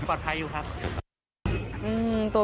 ปลอดภัยอยู่ครับ